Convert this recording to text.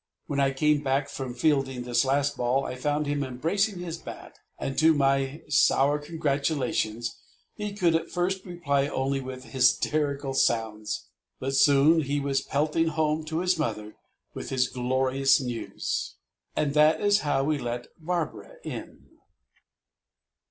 When I came back from fielding this last ball I found him embracing his bat, and to my sour congratulations he could at first reply only with hysterical sounds. But soon he was pelting home to his mother with the glorious news. And that is how we let Barbara in.